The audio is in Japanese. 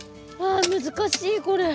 あ難しいこれ。